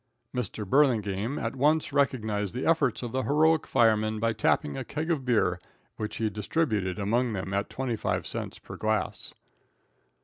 Mr. Burlingame at once recognized the efforts of the heroic firemen by tapping a keg of beer, which he distributed among them at 25 cents per glass.